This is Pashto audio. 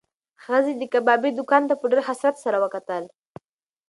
ښځې د کبابي دوکان ته په ډېر حسرت سره وکتل.